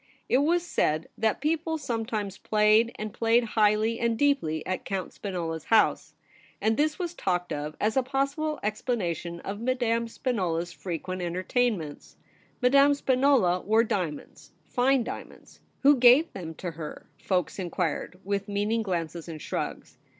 It was said that people sometimes played, and played highly and deeply, at Count Spinola's house ; and this was talked of as a possible explanation of Madame Spinola s frequent entertainments. Madame Spinola wore diamonds, fine diamonds. ' Who gave them to her }' folks inquired, with meaning glances and shrugs.